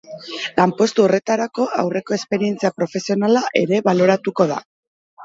Lanpostu horretako aurreko esperientzia profesionala ere baloratuko da.